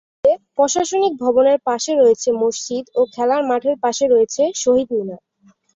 এছাড়া কলেজে প্রশাসনিক ভবনের পাশে রয়েছে মসজিদ ও খেলার মাঠের পাশে শহীদ মিনার।